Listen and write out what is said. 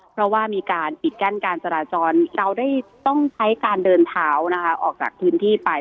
เพราะว่ามีการปิดกั้นการจราจรเราได้ต้องใช้การเดินเท้านะคะออกจากพื้นที่ไป